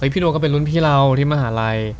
พี่โนก็เป็นรุ่นพี่เราที่มหาลัย